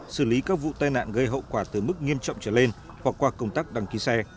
xử lý các vụ tai nạn gây hậu quả từ mức nghiêm trọng trở lên hoặc qua công tác đăng ký xe